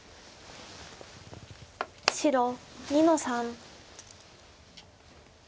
白２の三。